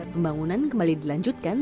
pembangunan kembali dilanjutkan